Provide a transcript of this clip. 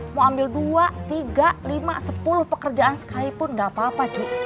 mau ambil dua tiga lima sepuluh pekerjaan sekalipun nggak apa apa